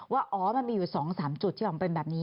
ว่ามันมีอยู่สองสามจุดที่มันเป็นแบบนี้